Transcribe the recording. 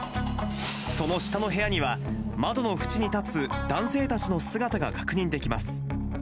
その下の部屋には、窓の縁に立つ男性たちの姿が確認できます。